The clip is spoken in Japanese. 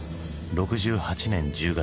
６８年１０月。